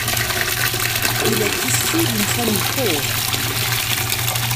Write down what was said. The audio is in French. Il est issu d'une famille pauvre.